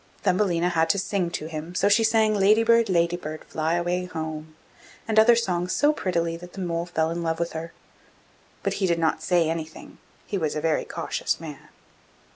Thumbelina had to sing to him, so she sang 'Lady bird, lady bird, fly away home!' and other songs so prettily that the mole fell in love with her; but he did not say anything, he was a very cautious man.